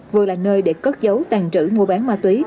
vừa là nơi để cất giấu tàn trữ mua bán ma túy